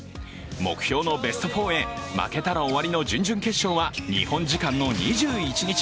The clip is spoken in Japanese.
目標のベスト４へ負けたら終わりの準々決勝は日本時間の２１日。